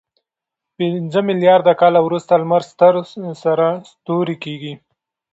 پنځه میلیارد کاله وروسته لمر ستر سره ستوری کېږي.